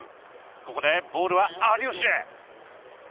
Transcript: ここでボールは有吉へ。